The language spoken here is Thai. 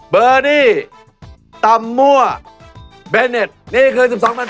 เป็นวัดสะเก็ดราชวรรมหาวิหาร